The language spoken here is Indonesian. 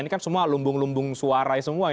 ini kan semua lumbung lumbung suara semua ya